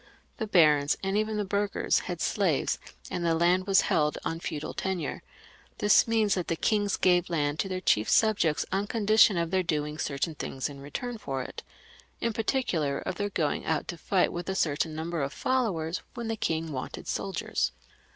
The barons and even the burghers had slaves, and the land was held on feudal tenure; this means that the kings gave land to their chief subjects on condition of their doing certain things in return for it ; in particular, of their going out to fight with a certain number of followers, when the king wanted soldiers.